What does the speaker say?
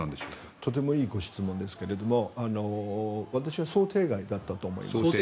とてもいいご質問ですが私は想定外だったと思います。